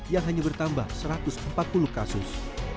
yang hanya bertambah satu ratus empat puluh kasus